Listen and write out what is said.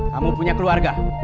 kamu punya keluarga